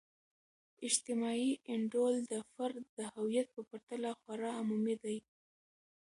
اجتماعي انډول د فرد د هویت په پرتله خورا عمومی دی.